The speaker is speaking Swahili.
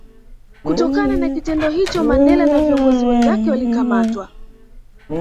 Kutokana na kitendo hicho Mandela na viongozi wenzake walikamatwa